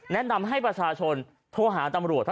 แนะนำให้ประชาชนโทรหาตำรวจ